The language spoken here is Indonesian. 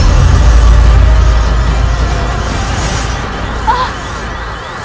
kanda tolong aku